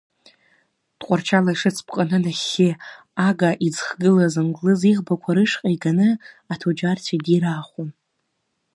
Тҟәарчал ашыц ԥҟаны нахьхьи Ага иӡхгылаз англыз иӷбақәа рышҟа иганы аҭуџьарцәа идираахәон.